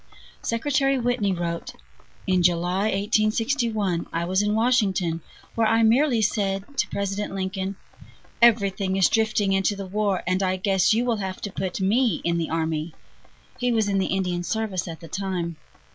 Secretary Whitney wrote: "In July, 1861, I was in Washington, where I merely said to President Lincoln: 'Everything is drifting into the war, and I guess you will have to put me in the army.' (He was in the Indian service at the time.)